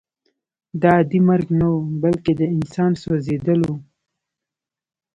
دا عادي مرګ نه و بلکې د انسان سوځېدل وو